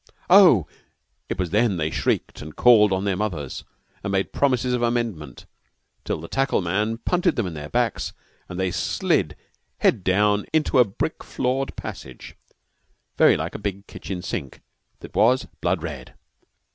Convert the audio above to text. Oh! it was then they shrieked and called on their mothers, and made promises of amendment, till the tackle man punted them in their backs and they slid head down into a brick floored passage, very like a big kitchen sink, that was blood red.